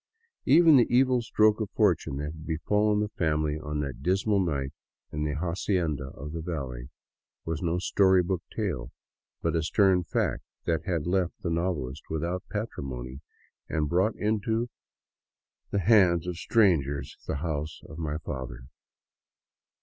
Even the evil stroke of fortune that had befallen the family on that dismal night in the " hacienda of the valley " was no story book tale, but a stern fact that had left the novelist without patrimony and brought into the hands of strangers " the house of my fathers."